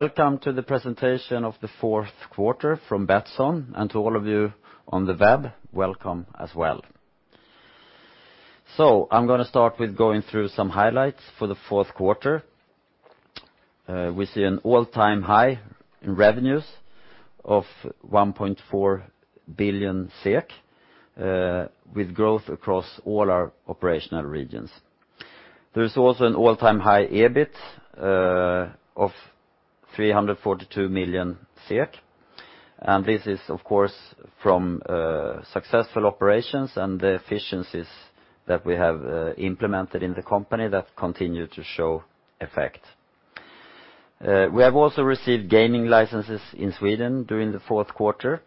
Welcome to the Presentation of the Fourth Quarter from Betsson, and to all of you on the web, welcome as well. I'm going to start with going through some highlights for the fourth quarter. We see an all-time high in revenues of 1.4 billion SEK, with growth across all our operational regions. There is also an all-time high EBIT of 342 million SEK, this is, of course, from successful operations and the efficiencies that we have implemented in the company that continue to show effect. We have also received gaming licenses in Sweden during the fourth quarter,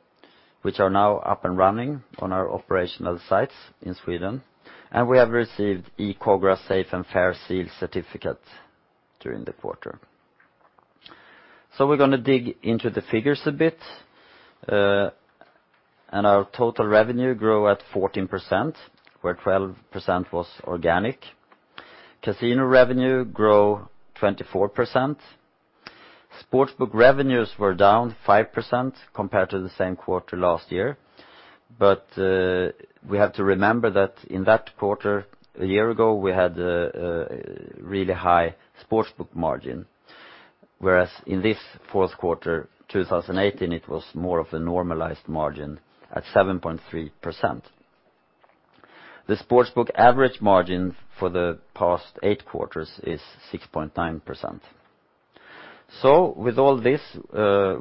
which are now up and running on our operational sites in Sweden. We have received eCOGRA Safe & Fair Seal certificate during the quarter. We're going to dig into the figures a bit. Our total revenue grew at 14%, where 12% was organic. Casino revenue grew 24%. Sportsbook revenues were down 5% compared to the same quarter last year. We have to remember that in that quarter a year ago, we had a really high sportsbook margin, whereas in this fourth quarter 2018, it was more of a normalized margin at 7.3%. The sportsbook average margin for the past eight quarters is 6.9%. With all this,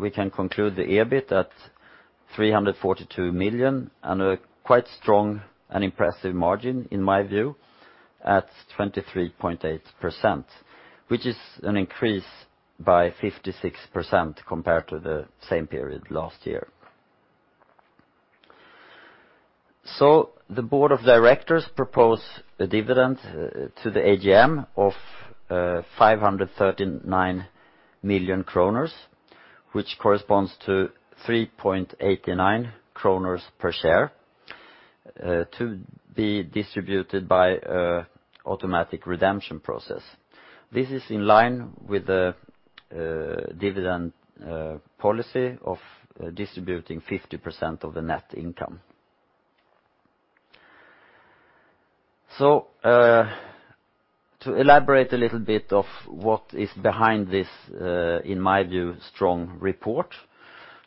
we can conclude the EBIT at 342 million and a quite strong and impressive margin, in my view, at 23.8%, which is an increase by 56% compared to the same period last year. The board of directors propose a dividend to the AGM of 539 million kronor, which corresponds to 3.89 kronor per share, to be distributed by automatic redemption process. This is in line with the dividend policy of distributing 50% of the net income. To elaborate a little bit of what is behind this, in my view, strong report,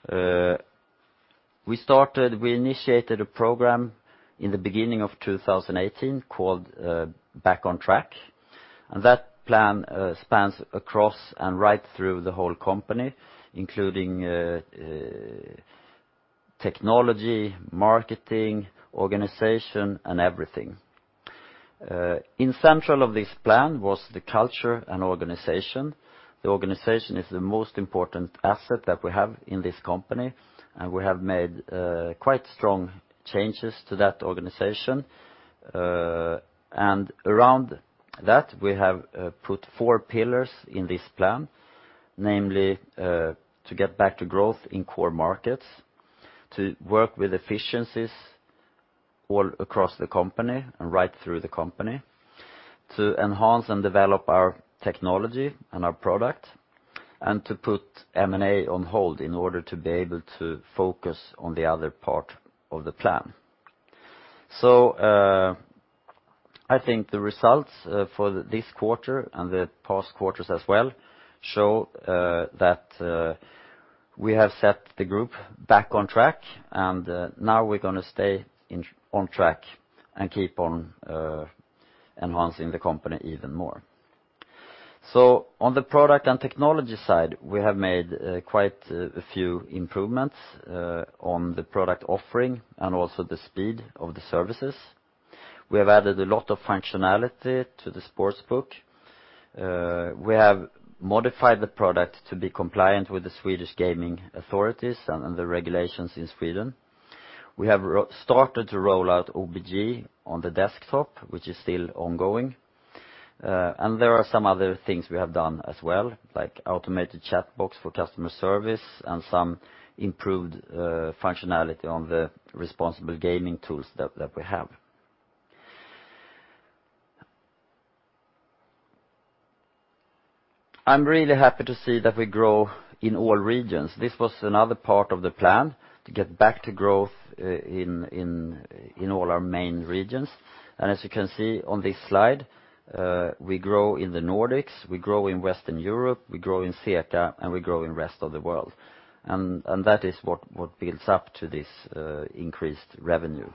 we initiated a program in the beginning of 2018 called Back on Track, that plan spans across and right through the whole company, including technology, marketing, organization, and everything. In central of this plan was the culture and organization. The organization is the most important asset that we have in this company, and we have made quite strong changes to that organization. Around that, we have put four pillars in this plan: namely, to get back to growth in core markets, to work with efficiencies all across the company and right through the company, to enhance and develop our technology and our product, and to put M&A on hold in order to be able to focus on the other part of the plan. I think the results for this quarter and the past quarters as well show that we have set the group Back on Track, now we're going to stay on track and keep on enhancing the company even more. On the product and technology side, we have made quite a few improvements on the product offering and also the speed of the services. We have added a lot of functionality to the sportsbook. We have modified the product to be compliant with the Swedish gaming authorities and the regulations in Sweden. We have started to roll out OBG on the desktop, which is still ongoing. There are some other things we have done as well, like automated chat box for customer service and some improved functionality on the responsible gaming tools that we have. I'm really happy to see that we grow in all regions. This was another part of the plan, to get back to growth in all our main regions. As you can see on this slide, we grow in the Nordics, we grow in Western Europe, we grow in CEECA, and we grow in rest of the world. That is what builds up to this increased revenue.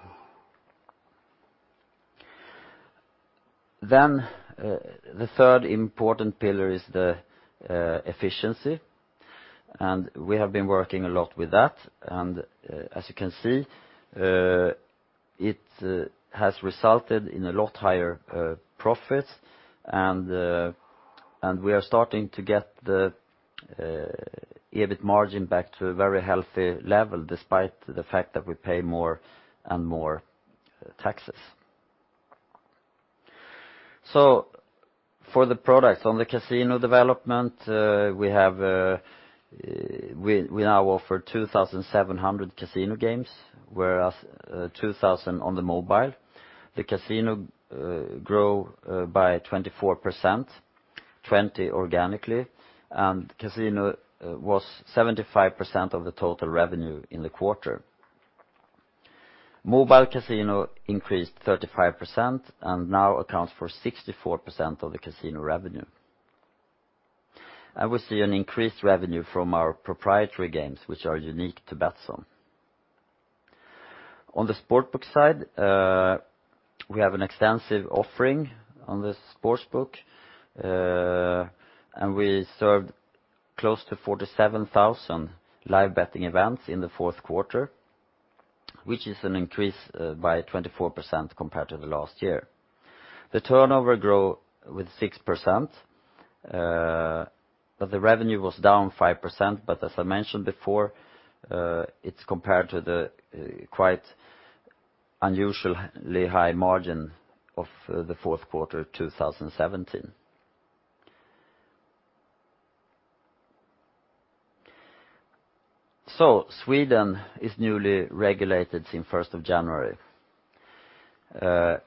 The third important pillar is the efficiency, and we have been working a lot with that. As you can see, it has resulted in a lot higher profits and we are starting to get the EBIT margin back to a very healthy level, despite the fact that we pay more and more taxes. For the products on the casino development, We now offer 2,700 casino games, whereas 2,000 on the mobile. The casino grew by 24%, 20% organically, and casino was 75% of the total revenue in the quarter. Mobile casino increased 35% and now accounts for 64% of the casino revenue. We see an increased revenue from our proprietary games, which are unique to Betsson. On the sportsbook side, we have an extensive offering on the sportsbook, and we served close to 47,000 live betting events in the fourth quarter, which is an increase by 24% compared to the last year. The turnover grew with 6%, but the revenue was down 5%. As I mentioned before, it's compared to the quite unusually high margin of the fourth quarter 2017. Sweden is newly regulated since 1st of January.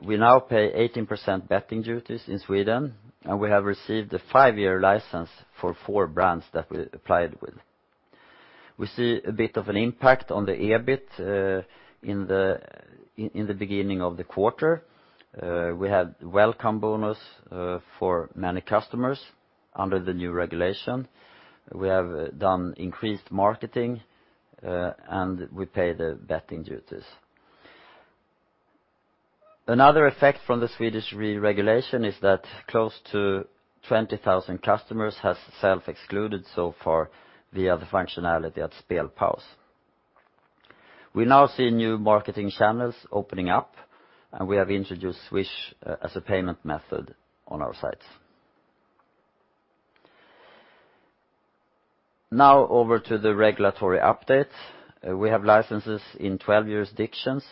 We now pay 18% betting duties in Sweden, and we have received a five-year license for four brands that we applied with. We see a bit of an impact on the EBIT in the beginning of the quarter. We had welcome bonus for many customers under the new regulation. We have done increased marketing, and we pay the betting duties. Another effect from the Swedish re-regulation is that close to 20,000 customers have self-excluded so far via the functionality at scale house. We now see new marketing channels opening up, and we have introduced Swish as a payment method on our sites. Over to the regulatory updates. We have licenses in 12 jurisdictions,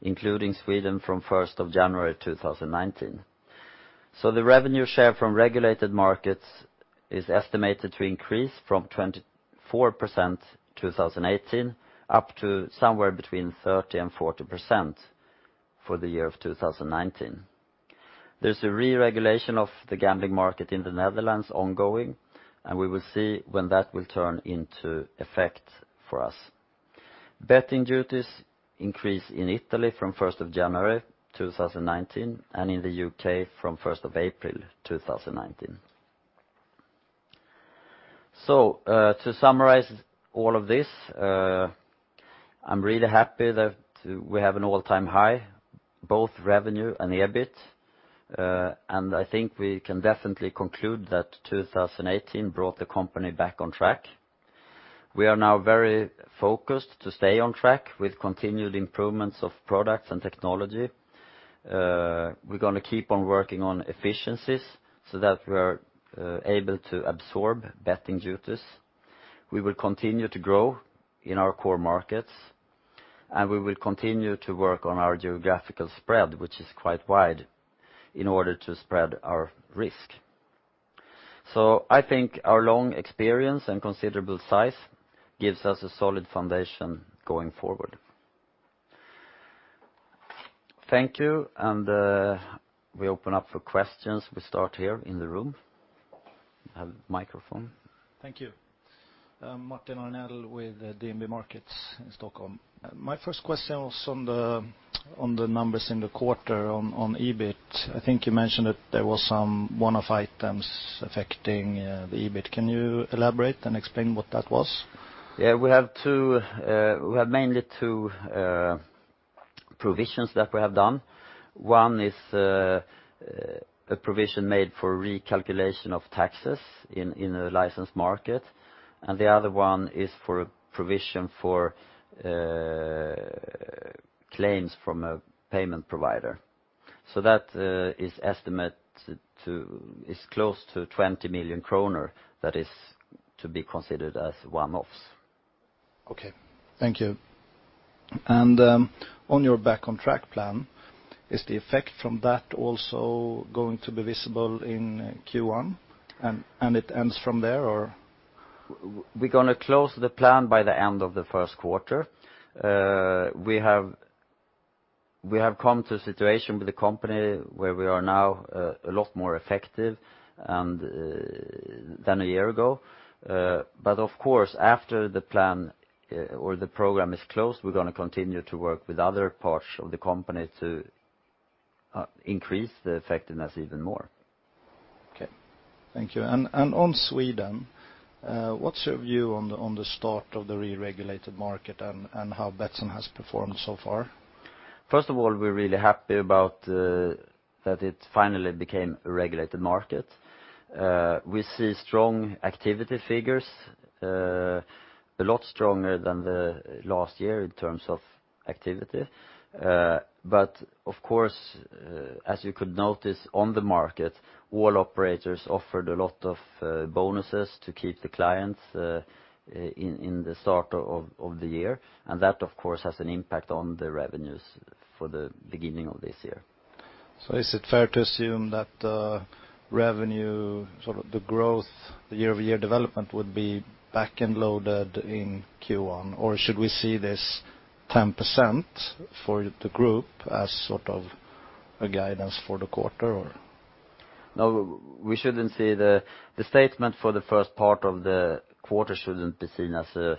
including Sweden from 1st of January 2019. The revenue share from regulated markets is estimated to increase from 24% 2018 up to somewhere between 30% and 40% for the year of 2019. There's a re-regulation of the gambling market in the Netherlands ongoing, and we will see when that will turn into effect for us. Betting duties increase in Italy from 1st of January 2019 and in the U.K. from 1st of April 2019. To summarize all of this, I'm really happy that we have an all-time high, both revenue and EBIT. I think we can definitely conclude that 2018 brought the company Back on Track. We are now very focused to stay on track with continued improvements of products and technology. We're going to keep on working on efficiencies so that we are able to absorb betting duties. We will continue to grow in our core markets, and we will continue to work on our geographical spread, which is quite wide, in order to spread our risk. I think our long experience and considerable size gives us a solid foundation going forward. Thank you, and we open up for questions. We start here in the room. I have a microphone. Thank you. Martin Arnell with DNB Markets in Stockholm. My first question was on the numbers in the quarter on EBIT. I think you mentioned that there was some one-off items affecting the EBIT. Can you elaborate and explain what that was? We have mainly two provisions that we have done. One is a provision made for recalculation of taxes in a licensed market, and the other one is for a provision for claims from a payment provider. That is estimate close to 20 million kronor that is to be considered as one-offs. Thank you. On your Back on Track plan, is the effect from that also going to be visible in Q1, and it ends from there, or? We're going to close the plan by the end of the first quarter. We have come to a situation with the company where we are now a lot more effective than a year ago. Of course, after the plan or the program is closed, we're going to continue to work with other parts of the company to increase the effectiveness even more. Okay. Thank you. On Sweden, what's your view on the start of the re-regulated market and how Betsson has performed so far? First of all, we're really happy about that it finally became a regulated market. We see strong activity figures, a lot stronger than the last year in terms of activity. Of course, as you could notice on the market, all operators offered a lot of bonuses to keep the clients in the start of the year, and that, of course, has an impact on the revenues for the beginning of this year. Is it fair to assume that the revenue, the growth, the year-over-year development would be back-end loaded in Q1? Or should we see this 10% for the group as a guidance for the quarter? No. The statement for the first part of the quarter shouldn't be seen as a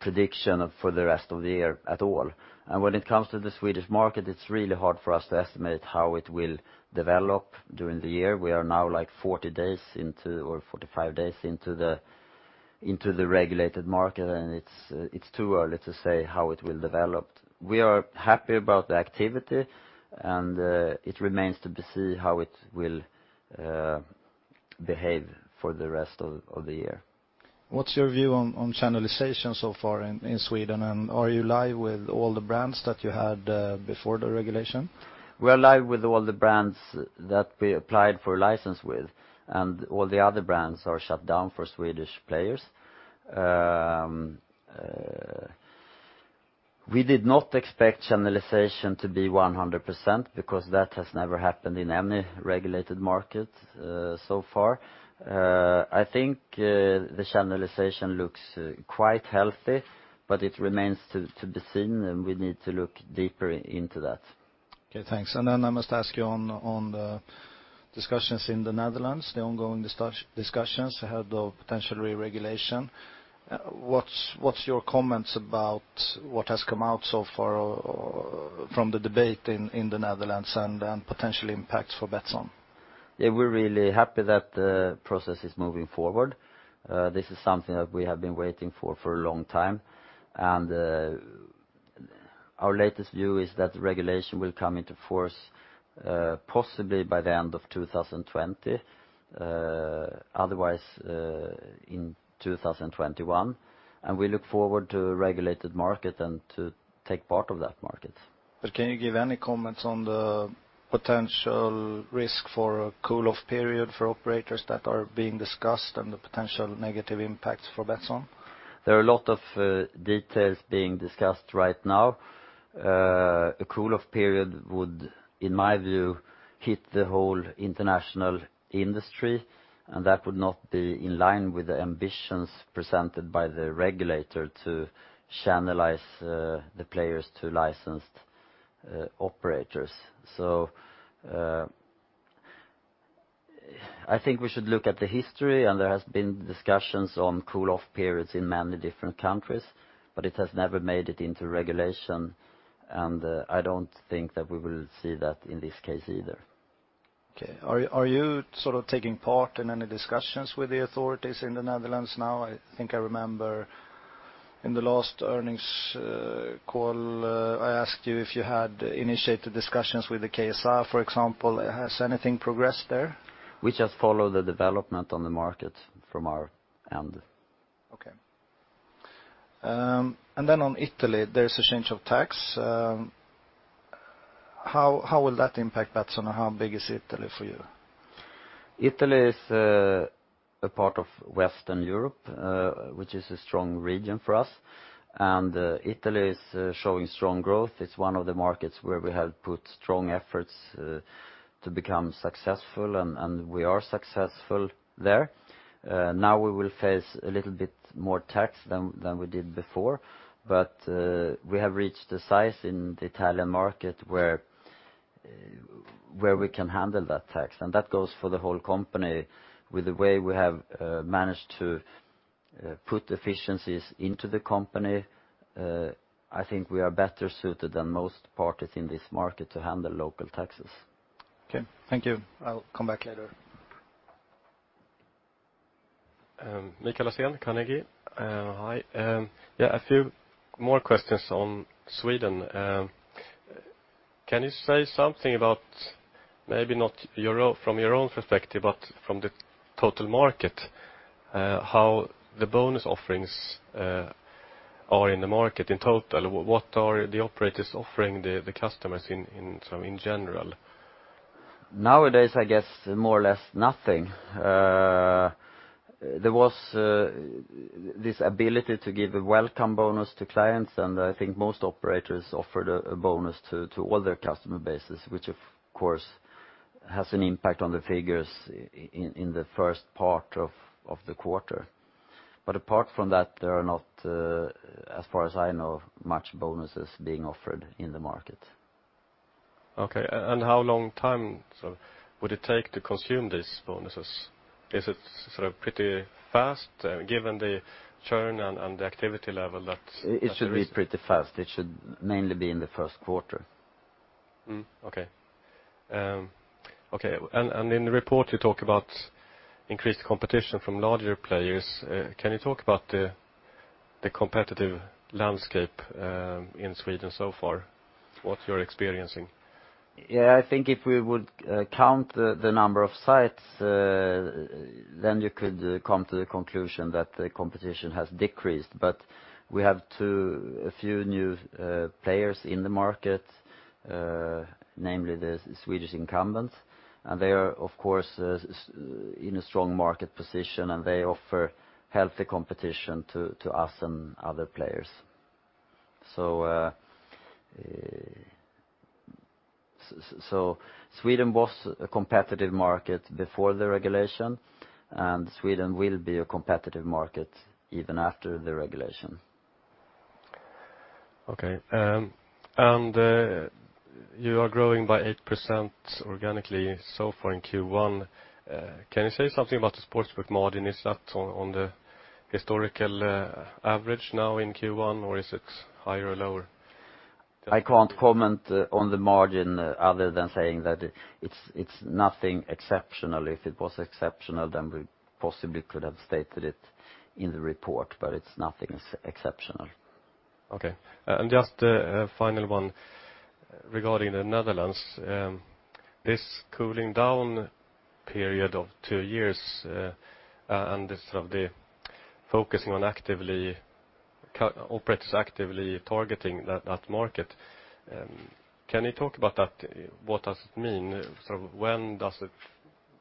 prediction for the rest of the year at all. When it comes to the Swedish market, it's really hard for us to estimate how it will develop during the year. We are now 40 or 45 days into the regulated market, and it's too early to say how it will develop. We are happy about the activity, and it remains to be seen how it will behave for the rest of the year. What's your view on channelization so far in Sweden? Are you live with all the brands that you had before the regulation? We are live with all the brands that you applied for a license with, and all the other brands are shut down for Swedish players. We did not expect channelization to be 100%, because that has never happened in any regulated market so far. I think the channelization looks quite healthy, but it remains to be seen, and we need to look deeper into that. Okay, thanks. I must ask you on the discussions in the Netherlands, the ongoing discussions ahead of potential reregulation. What's your comments about what has come out so far from the debate in the Netherlands and potential impacts for Betsson? Yeah, we're really happy that the process is moving forward. This is something that we have been waiting for a long time. Our latest view is that regulation will come into force, possibly by the end of 2020, otherwise, in 2021. We look forward to a regulated market and to take part in that market. Can you give any comments on the potential risk for a cool-off period for operators that are being discussed and the potential negative impacts for Betsson? There are a lot of details being discussed right now. A cool-off period would, in my view, hit the whole international industry, and that would not be in line with the ambitions presented by the regulator to channelize the players to licensed operators. I think we should look at the history, and there have been discussions on cool-off periods in many different countries, but it has never made it into regulation, and I don't think that we will see that in this case either. Okay. Are you taking part in any discussions with the authorities in the Netherlands now? I think I remember in the last earnings call, I asked you if you had initiated discussions with the Kansspelautoriteit, for example. Has anything progressed there? We just follow the development on the market from our end. Okay. Then on Italy, there's a change of tax. How will that impact Betsson? How big is Italy for you? Italy is a part of Western Europe, which is a strong region for us, and Italy is showing strong growth. It's one of the markets where we have put strong efforts to become successful, and we are successful there. Now we will face a little bit more tax than we did before, but we have reached the size in the Italian market where we can handle that tax, and that goes for the whole company. With the way we have managed to put efficiencies into the company, I think we are better suited than most parties in this market to handle local taxes. Okay. Thank you. I'll come back later. Niklas Ekman, Carnegie. Hi. A few more questions on Sweden. Can you say something about, maybe not from your own perspective, but from the total market, how the bonus offerings are in the market in total? What are the operators offering the customers in general? Nowadays, I guess more or less nothing. There was this ability to give a welcome bonus to clients, I think most operators offered a bonus to all their customer bases, which of course, has an impact on the figures in the first part of the quarter. Apart from that, there are not, as far as I know, many bonuses being offered in the market. Okay. How long would it take to consume these bonuses? Is it pretty fast, given the churn and the activity level? It should be pretty fast. It should mainly be in the first quarter. Okay. In the report, you talk about increased competition from larger players. Can you talk about the competitive landscape in Sweden so far? What you're experiencing? Yeah. I think if we would count the number of sites, then you could come to the conclusion that the competition has decreased. We have a few new players in the market, namely the Swedish incumbents. They are, of course, in a strong market position, and they offer healthy competition to us and other players. Sweden was a competitive market before the regulation, and Sweden will be a competitive market even after the regulation. Okay. You are growing by 8% organically so far in Q1. Can you say something about the sportsbook margin? Is that on the historical average now in Q1, or is it higher or lower? I can't comment on the margin other than saying that it's nothing exceptional. If it was exceptional, then we possibly could have stated it in the report, but it's nothing exceptional. Okay. Just a final one regarding the Netherlands. This cooling down period of two years, and the focusing on operators actively targeting that market. Can you talk about that? What does it mean? When does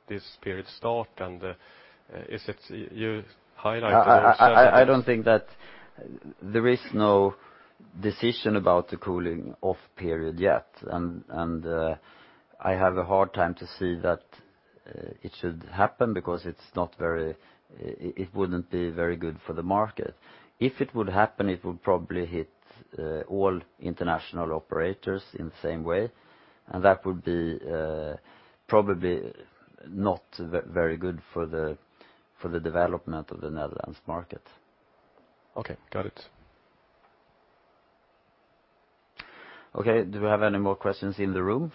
this period start? I don't think that there is no decision about the cooling off period yet, and I have a hard time to see that it should happen because it wouldn't be very good for the market. If it would happen, it would probably hit all international operators in the same way, and that would be probably not very good for the development of the Netherlands market. Okay, got it. Okay. Do we have any more questions in the room?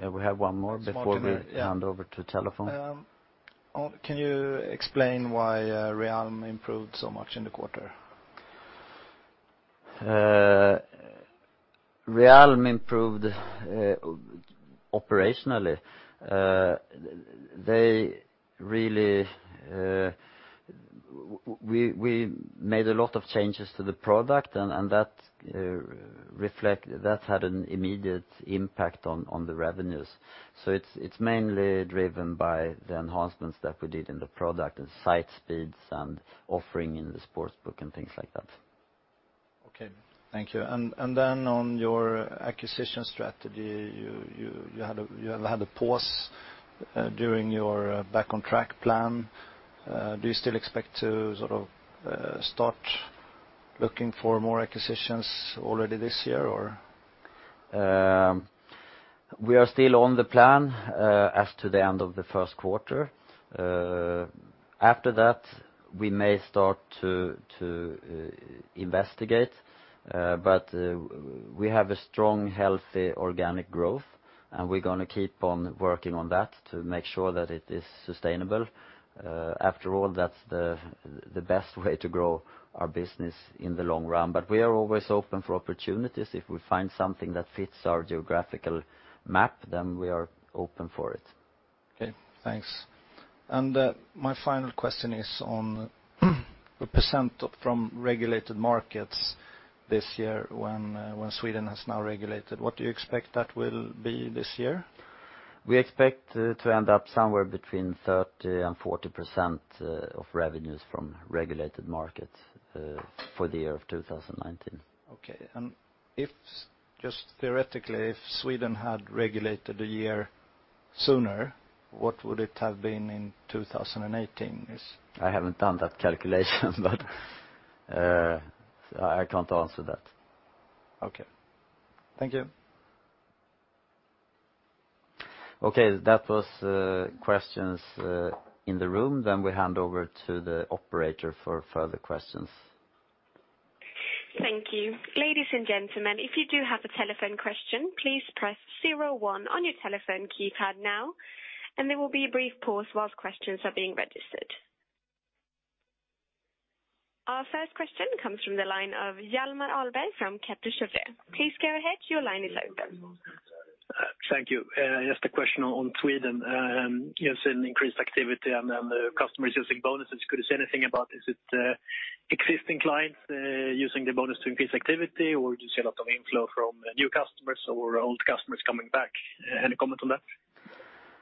Yeah, we have one more before we hand over to telephone. Can you explain why Realm improved so much in the quarter? Realm improved operationally. We made a lot of changes to the product, and that had an immediate impact on the revenues. It's mainly driven by the enhancements that we did in the product and site speeds and offering in the sportsbook and things like that. Okay, thank you. Then on your acquisition strategy, you have had a pause during your Back on Track plan. Do you still expect to start looking for more acquisitions already this year, or? We are still on the plan as to the end of the first quarter. After that, we may start to investigate. We have a strong, healthy organic growth, and we're going to keep on working on that to make sure that it is sustainable. After all, that's the best way to grow our business in the long run. We are always open for opportunities. If we find something that fits our geographical map, we are open for it. Okay, thanks. My final question is on the percent from regulated markets this year when Sweden has now regulated, what do you expect that will be this year? We expect to end up somewhere between 30% and 40% of revenues from regulated markets for the year of 2019. Okay. If, just theoretically, if Sweden had regulated a year sooner, what would it have been in 2018? I haven't done that calculation, but I can't answer that. Okay. Thank you. Okay. That was questions in the room. We hand over to the operator for further questions. Thank you. Ladies and gentlemen, if you do have a telephone question, please press zero one on your telephone keypad now, and there will be a brief pause whilst questions are being registered. Our first question comes from the line of Hjalmar Ahlberg from Kepler Cheuvreux. Please go ahead. Your line is open. Thank you. Just a question on Sweden. You have seen increased activity and then the customer is using bonuses. Could you say anything about, is it existing clients using the bonus to increase activity, or do you see a lot of inflow from new customers or old customers coming back? Any comment on that?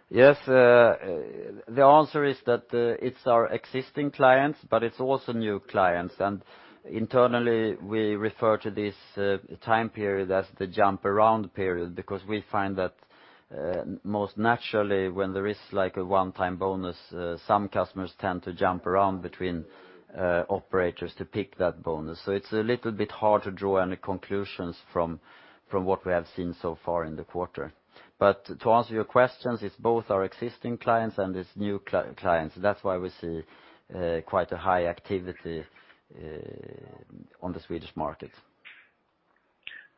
Yes. The answer is that it's our existing clients, but it's also new clients. Internally, we refer to this time period as the jump around period because we find that most naturally, when there is a one-time bonus, some customers tend to jump around between operators to pick that bonus. It's a little bit hard to draw any conclusions from what we have seen so far in the quarter. To answer your questions, it's both our existing clients and it's new clients. That's why we see quite a high activity on the Swedish markets.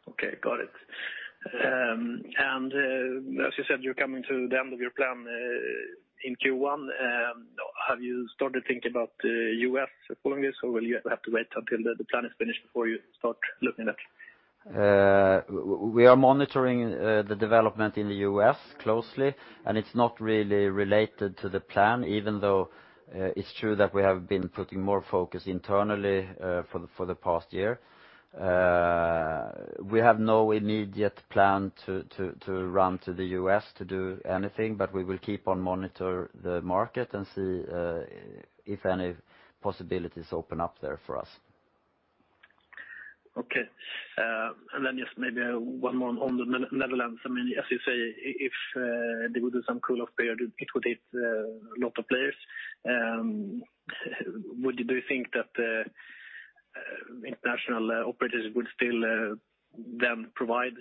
Okay, got it. As you said, you're coming to the end of your plan in Q1. Have you started thinking about the U.S. accordingly, or will you have to wait until the plan is finished before you start looking at it? We are monitoring the development in the U.S. closely, and it's not really related to the plan, even though it's true that we have been putting more focus internally for the past year. We have no immediate plan to run to the U.S. to do anything, but we will keep on monitoring the market and see if any possibilities open up there for us. Okay. Just maybe one more on Netherlands. As you say, if they would do some cool-off period, it would hit a lot of players. Do you think that the international operators would still then provide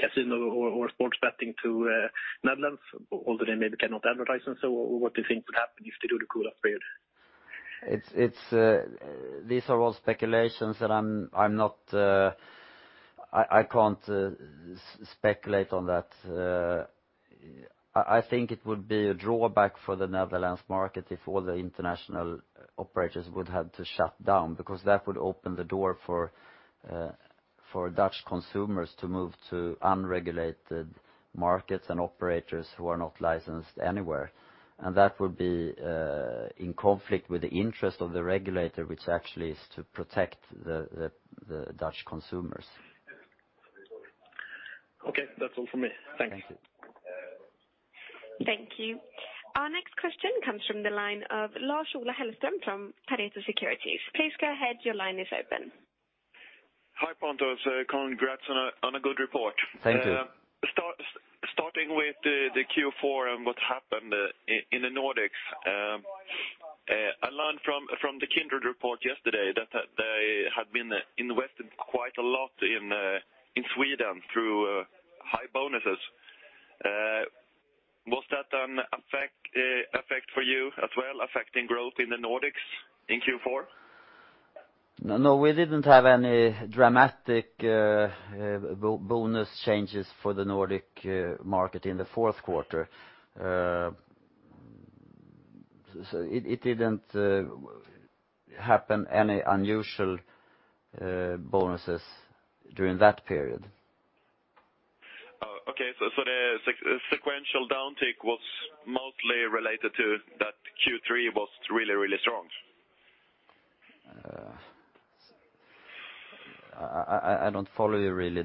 casino or sports betting to Netherlands, although they maybe cannot advertise them? What do you think would happen if they do the cool-off period? These are all speculations, and I can't speculate on that. I think it would be a drawback for the Netherlands market if all the international operators would have to shut down, because that would open the door for Dutch consumers to move to unregulated markets and operators who are not licensed anywhere. That would be in conflict with the interest of the regulator, which actually is to protect the Dutch consumers. Okay. That's all from me. Thank you. Thank you. Thank you. Our next question comes from the line of Lars-Ola Hellström from Pareto Securities. Please go ahead. Your line is open. Hi, Pontus. Congrats on a good report. Thank you. Starting with the Q4 and what happened in the Nordics. I learned from the Kindred report yesterday that they had been invested quite a lot in Sweden through high bonuses. Was that an effect for you as well, affecting growth in the Nordics in Q4? No, we didn't have any dramatic bonus changes for the Nordic market in the fourth quarter. It didn't happen any unusual bonuses during that period. Okay. The sequential downtick was mostly related to that Q3 was really strong? I don't follow you really.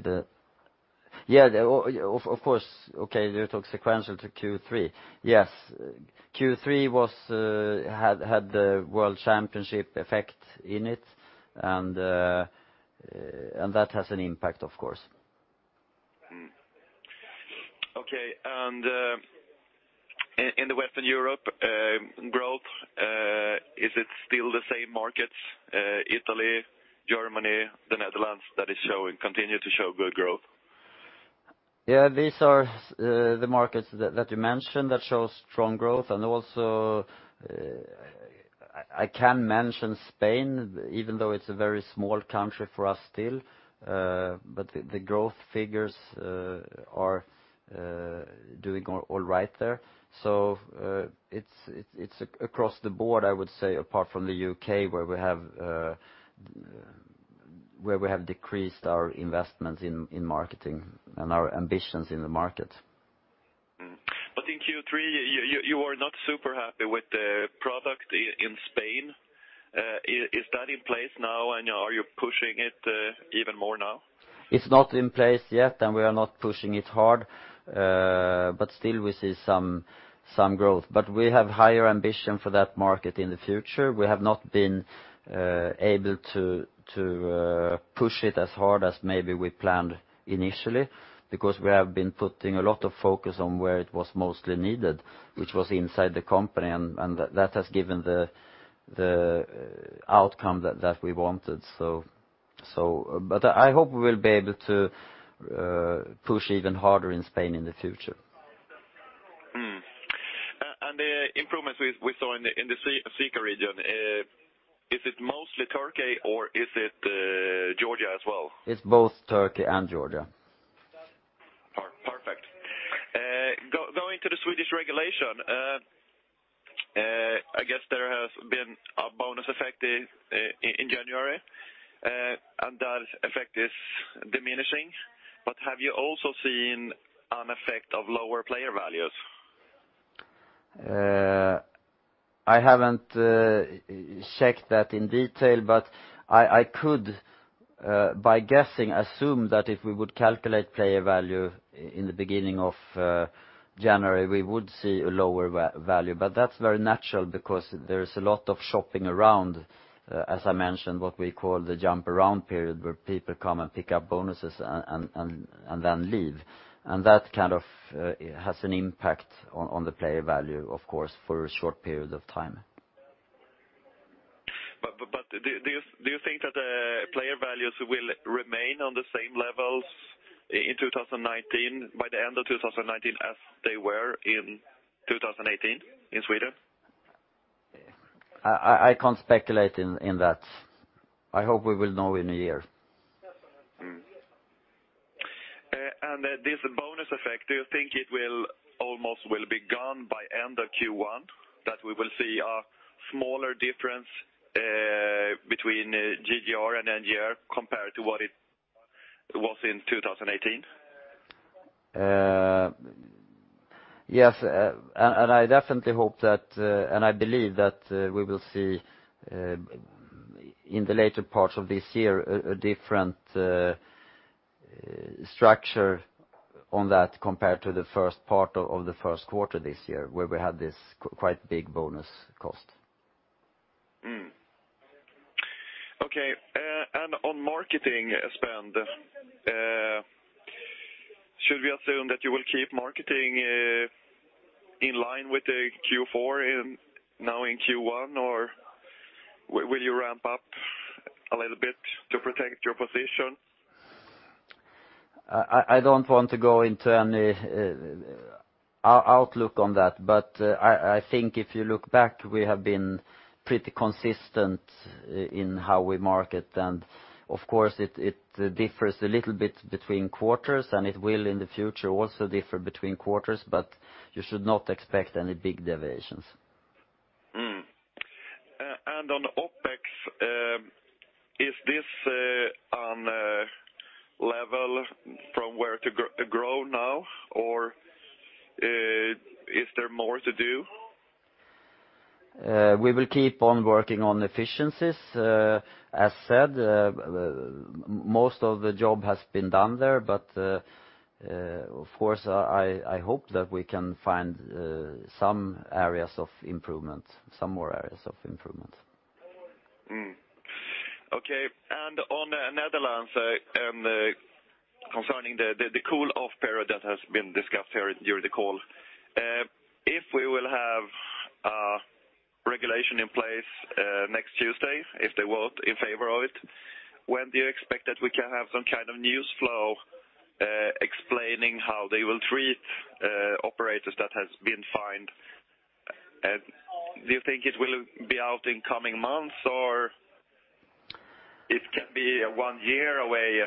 Of course. Okay, you talk sequential to Q3. Yes. Q3 had the world championship effect in it, and that has an impact, of course. Okay. In the Western Europe growth, is it still the same markets, Italy, Germany, the Netherlands, that continue to show good growth? Yeah, these are the markets that you mentioned that show strong growth, and also I can mention Spain, even though it's a very small country for us still. The growth figures are doing all right there. It's across the board, I would say, apart from the U.K., where we have decreased our investments in marketing and our ambitions in the market. In Q3, you were not super happy with the product in Spain. Is that in place now, and are you pushing it even more now? It's not in place yet, and we are not pushing it hard. Still we see some growth. We have higher ambition for that market in the future. We have not been able to push it as hard as maybe we planned initially, because we have been putting a lot of focus on where it was mostly needed, which was inside the company, and that has given the outcome that we wanted. I hope we will be able to push even harder in Spain in the future. The improvements we saw in the CEECA region, is it mostly Turkey or is it Georgia as well? It's both Turkey and Georgia. Perfect. Going to the Swedish regulation, I guess there has been a bonus effect in January, and that effect is diminishing. Have you also seen an effect of lower player values? I haven't checked that in detail, but I could by guessing assume that if we would calculate player value in the beginning of January, we would see a lower value. That's very natural because there is a lot of shopping around, as I mentioned, what we call the jump around period, where people come and pick up bonuses and then leave. That kind of has an impact on the player value, of course, for a short period of time. Do you think that the player values will remain on the same levels by the end of 2019 as they were in 2018 in Sweden? I can't speculate in that. I hope we will know in a year. This bonus effect, do you think it will almost will be gone by end of Q1, that we will see a smaller difference between GGR and NGR compared to what it was in 2018? Yes, I definitely hope and believe that we will see, in the later parts of this year, a different structure on that compared to the first part of the first quarter this year, where we had this quite big bonus cost. Okay. On marketing spend, should we assume that you will keep marketing in line with the Q4 and now in Q1, or will you ramp up a little bit to protect your position? I don't want to go into any outlook on that, but I think if you look back, we have been pretty consistent in how we market. Of course, it differs a little bit between quarters, it will in the future also differ between quarters, but you should not expect any big deviations. On the OpEx, is this on a level from where to grow now, or is there more to do? We will keep on working on efficiencies. As said, most of the job has been done there, but of course, I hope that we can find some more areas of improvement. Okay. On the Netherlands, and concerning the cool-off period that has been discussed here during the call, if we will have a regulation in place next Tuesday, if they vote in favor of it, when do you expect that we can have some kind of news flow explaining how they will treat operators that have been fined? Do you think it will be out in coming months, or it can be one year away?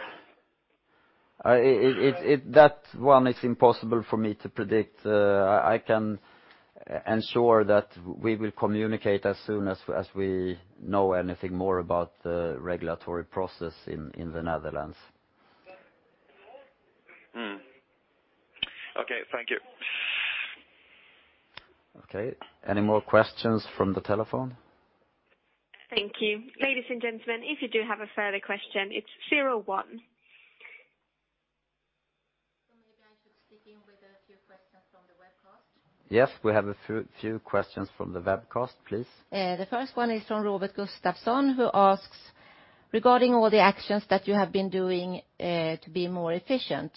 That one is impossible for me to predict. I can ensure that we will communicate as soon as we know anything more about the regulatory process in the Netherlands. Okay. Thank you. Okay. Any more questions from the telephone? Thank you. Ladies and gentlemen, if you do have a further question, it's zero one. Maybe I should speak in with a few questions from the webcast. Yes, we have a few questions from the webcast, please. The first one is from Robert Gustafsson, who asks: regarding all the actions that you have been doing to be more efficient,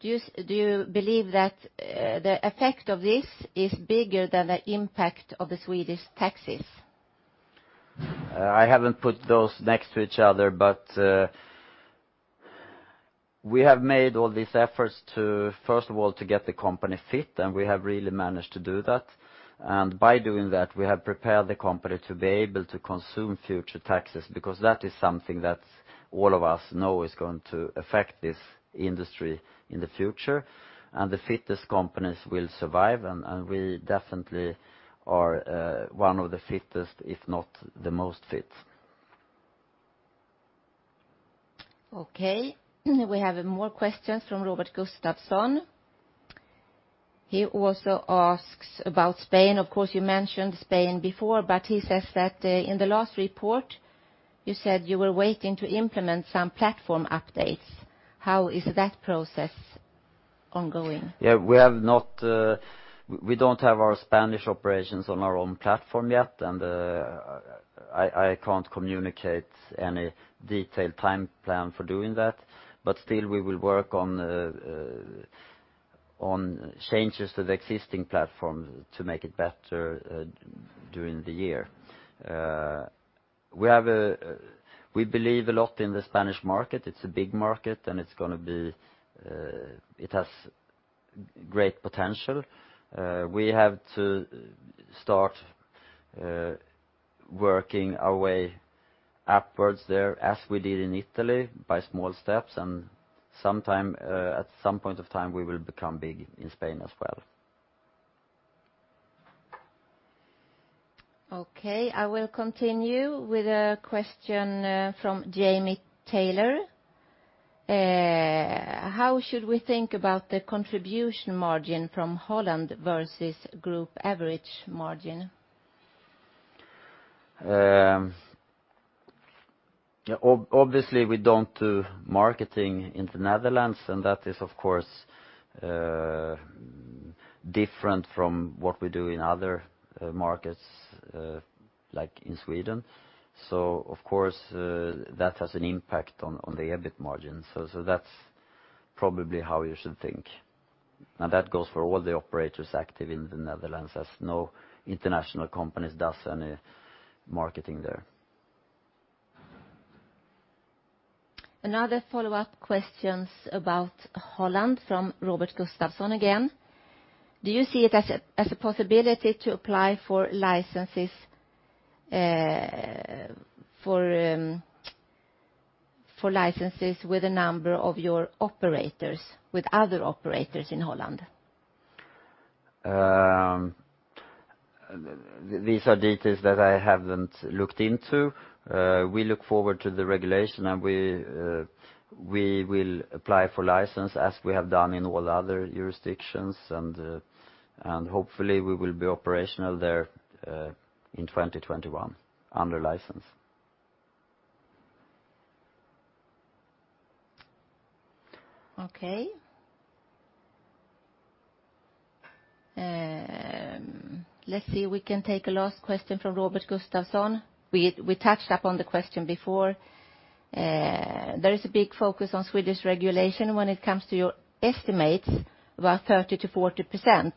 do you believe that the effect of this is bigger than the impact of the Swedish taxes? I haven't put those next to each other. We have made all these efforts, first of all, to get the company fit, and we have really managed to do that. By doing that, we have prepared the company to be able to consume future taxes, because that is something that all of us know is going to affect this industry in the future, and the fittest companies will survive. We definitely are one of the fittest, if not the most fit. Okay. We have more questions from Robert Gustafsson. He also asks about Spain. Of course, you mentioned Spain before. He says that in the last report, you said you were waiting to implement some platform updates. How is that process ongoing? Yeah, we don't have our Spanish operations on our own platform yet. I can't communicate any detailed time plan for doing that. Still, we will work on changes to the existing platform to make it better during the year. We believe a lot in the Spanish market. It's a big market. It has great potential. We have to start working our way upwards there as we did in Italy, by small steps. At some point of time, we will become big in Spain as well. Okay. I will continue with a question from Jamie Taylor. How should we think about the contribution margin from Holland versus group average margin? Obviously, we don't do marketing in the Netherlands, and that is, of course, different from what we do in other markets, like in Sweden. Of course, that has an impact on the EBIT margin. That's probably how you should think. Now, that goes for all the operators active in the Netherlands, as no international companies does any marketing there. Another follow-up question about Holland from Robert Gustafsson again. Do you see it as a possibility to apply for licenses with a number of your operators, with other operators in Holland? These are details that I haven't looked into. We look forward to the regulation, and we will apply for license as we have done in all other jurisdictions, and hopefully we will be operational there in 2021 under license. Okay. Let's see if we can take a last question from Robert Gustafsson. We touched upon the question before. There is a big focus on Swedish regulation when it comes to your estimates about 30%-40%.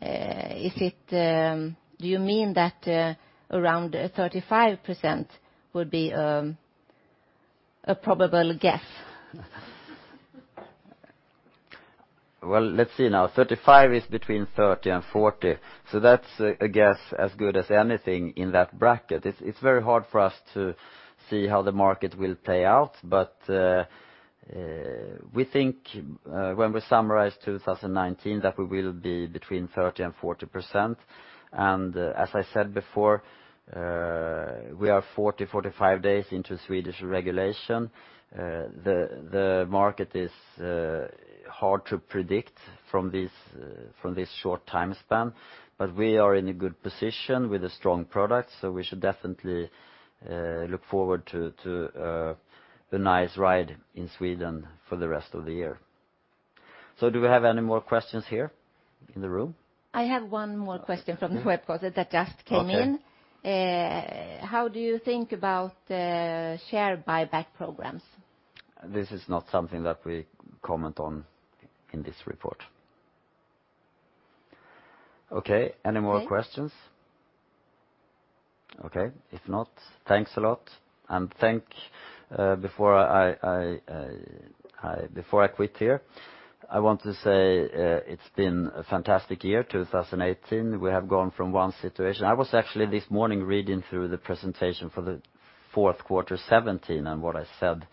Do you mean that around 35% would be a probable guess? Well, let's see now. 35% is between 30% and 40%, that's a guess as good as anything in that bracket. It's very hard for us to see how the market will play out. We think, when we summarize 2019, that we will be between 30% and 40%. As I said before, we are 40, 45 days into Swedish regulation. The market is hard to predict from this short time span, but we are in a good position with a strong product, we should definitely look forward to the nice ride in Sweden for the rest of the year. Do we have any more questions here in the room? I have one more question from the web browser that just came in. Okay. How do you think about share buyback programs? This is not something that we comment on in this report. Okay, any more questions? Okay, if not, thanks a lot, and before I quit here, I want to say it's been a fantastic year, 2018. We have gone from one situation. I was actually this morning reading through the presentation for the fourth quarter 2017, and what I said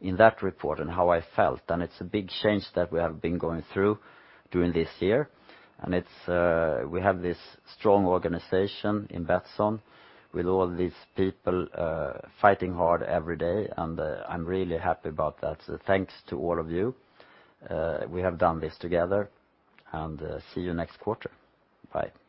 in that report and how I felt, and it's a big change that we have been going through during this year. We have this strong organization in Betsson with all these people fighting hard every day, and I'm really happy about that. Thanks to all of you. We have done this together, and see you next quarter. Bye.